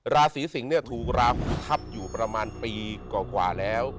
ราศีสิงศ์ถูกราหูทับอยู่ประมาณปีกว่าแล้ว